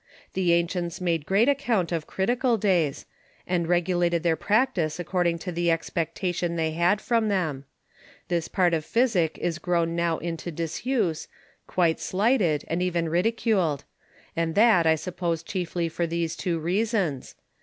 The Ancients made great Account of Critical Days, and regulated their Practice according to the Expectation they had from them; This Part of Physick is grown now into disuse, quite slighted, and even ridiculed; and that I suppose chiefly for these two reasons.